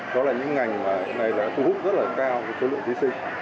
đó là những ngành này đã thu hút rất là cao cho lượng thí sinh